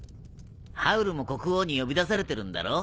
ハウルも国王に呼び出されてるんだろ？